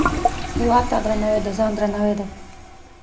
هیواد ته درناوی، د ځان درناوی دی